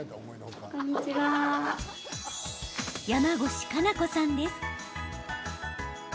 山越加奈子さんです。